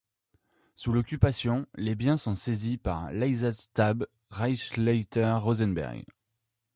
Sous l'Occupation, les biens sont saisis par l'Einsatzstab Reichsleiter Rosenberg.